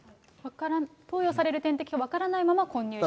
投与される点滴か分からないまま混入したと。